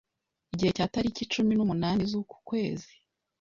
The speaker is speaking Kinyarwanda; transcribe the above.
igihe cya tariki cumi numunani z'uku kwezi